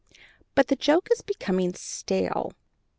But the joke is becoming stale.